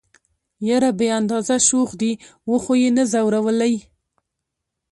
يره بې اندازه شوخ دي وخو يې نه ځورولئ.